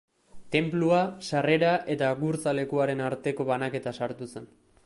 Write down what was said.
Tenplua, sarrera eta gurtza lekuaren arteko banaketa sartu zen.